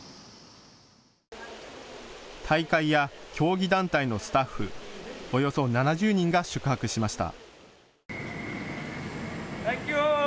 大会や競技団体のスタッフ、およそ７０人が宿泊しました。